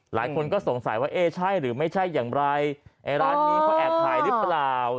หลายคนก็สงสัยว่าเอ๊ใช่หรือไม่ใช่อย่างไรแอลกอฮอล์หรือเปล่า